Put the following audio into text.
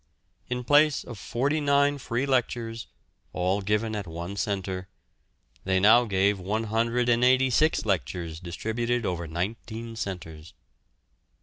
In place of forty nine free lectures, all given at one centre, they now gave 186 lectures distributed over nineteen centres.